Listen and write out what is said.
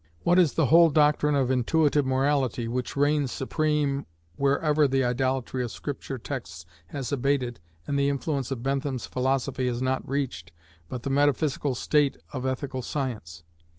What is the whole doctrine of Intuitive Morality, which reigns supreme wherever the idolatry of Scripture texts has abated and the influence of Bentham's philosophy has not reached, but the metaphysical state of ethical science?